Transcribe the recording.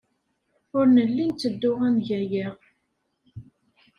Ur nelli netteddu ad neg aya.